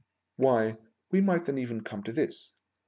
Why, we might then even come to this.